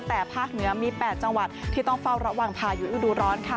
แต่ภาคเหนือมี๘จังหวัดที่ต้องเฝ้าระวังพายุฤดูร้อนค่ะ